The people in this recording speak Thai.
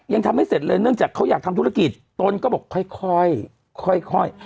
ยังทำไม่เสร็จเลยเนื่องจากเขาอยากทำธุรกิจตนก็บอกค่อยค่อย